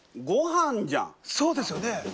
そうですよね！